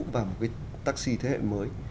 và một cái taxi thế hệ mới